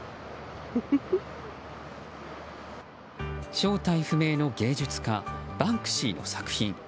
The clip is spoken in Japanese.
正体不明の芸術家バンクシーの作品。